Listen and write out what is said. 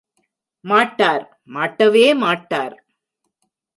மாட்டார், மாட்டவே மாட்டார்!...